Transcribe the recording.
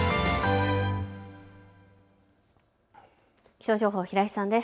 気象情報、平井さんです。